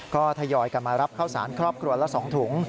ก็ทยอยกันมารับข้าวสารครอบครัวละ๒ถุง